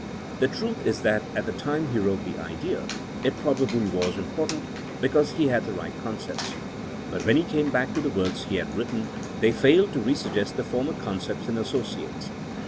The truth is that at the time he wrote the idea it probably was important, because he had the right concepts. But when he came back to the words he had written they failed to re suggest the former con cepts and associates.